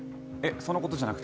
そのことじゃなくて？